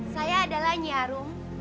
saya adalah nyiarung